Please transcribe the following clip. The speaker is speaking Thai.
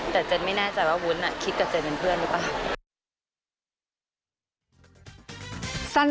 แต่เจนไม่แน่ใจว่าวุ้นคิดกับเจนเป็นเพื่อนหรือเปล่า